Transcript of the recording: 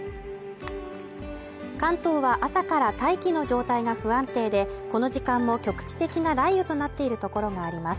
関東は朝から大気の状態が不安定で、この時間も局地的な雷雨となっているところがあります。